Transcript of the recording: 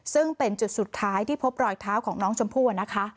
ซึ่งเป็นจุดสุดท้ายที่พบรอยเท้าของน้องชมพู่นะคะ